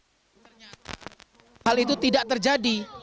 ternyata hal itu tidak terjadi